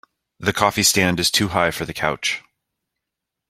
The coffee stand is too high for the couch.